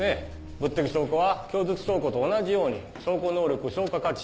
物的証拠は供述証拠と同じように証拠能力証拠価値